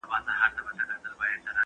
همایون د ایران له پاچا څخه مرسته وغوښته.